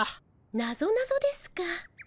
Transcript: なぞなぞですか。